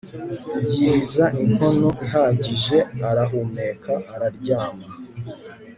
Yibiza inkono ihagije arahumeka araryama